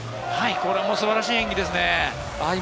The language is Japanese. これも素晴らしい演技ですね。